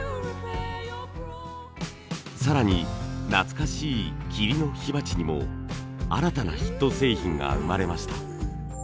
更に懐かしい桐の火鉢にも新たなヒット製品が生まれました。